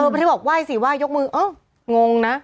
ไปที่บอกว่ายสิว่ายยกมือเอ้างงนะ